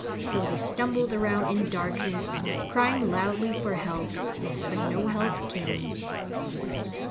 So they stumbled around in darkness, crying loudly for help. But no help came.